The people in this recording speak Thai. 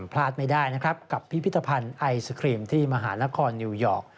พลาดไม่ได้นะครับกับพิพิธภัณฑ์ไอศครีมที่มหานครนิวยอร์ก